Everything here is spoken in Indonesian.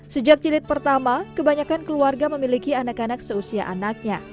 sejak jilid pertama kebanyakan keluarga memiliki anak anak seusia anaknya